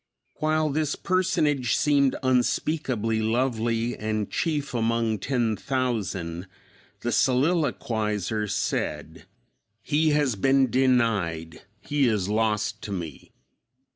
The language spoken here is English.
While this Personage seemed unspeakably lovely and "chief among ten thousand," the soliloquizer said, "He has been denied, he is lost to me."